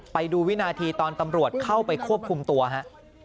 ไปดูวินาทีตอนตำรวจเข้าไปควบคุมตัวฮะ